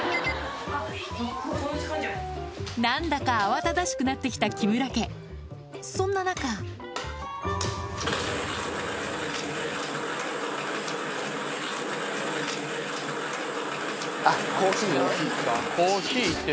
何だか慌ただしくなって来た木村家そんな中あっコーヒーね。